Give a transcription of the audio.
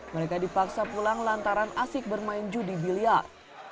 mereka dipaksa pulang lantaran asik bermain judi biliar